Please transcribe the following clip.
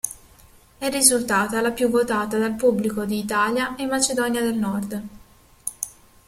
È risultata la più votata dal pubblico di Italia e Macedonia del Nord.